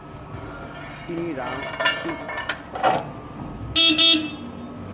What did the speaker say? তিনি রামকমল সেনের সাথে ইংরাজী ও বাংলা অভিধানের কিছু কাজও করেছিলেন।